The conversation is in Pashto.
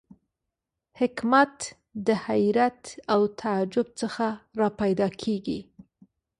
حکمت د حیرت او تعجب څخه را پیدا کېږي.